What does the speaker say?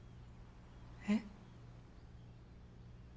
えっ？